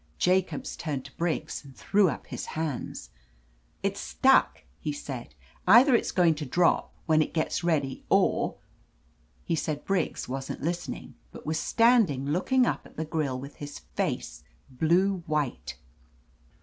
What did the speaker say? Jacobs turned to Briggs and threw up his hands. "It's stuck!" he said. "Either it's going to drop, when it gets ready, or —" He said Briggs wasn't listening, but was standing looking up at the grill with his face blue white.